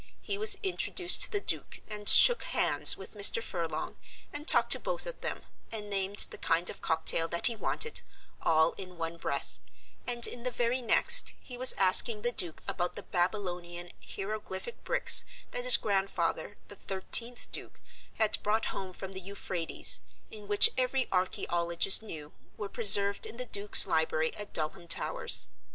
He was introduced to the Duke, and shook hands with Mr. Furlong, and talked to both of them, and named the kind of cocktail that he wanted, all in one breath, and in the very next he was asking the Duke about the Babylonian hieroglyphic bricks that his grandfather, the thirteenth Duke, had brought home from the Euphrates, and which every archaeologist knew were preserved in the Duke's library at Dulham Towers.